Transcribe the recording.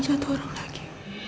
telpon satu orang lagi